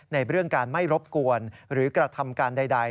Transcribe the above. ในเรื่องการไม่รบกวนหรือกระทำการใด